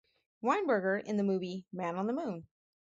Weinberger in the movie "Man on the Moon".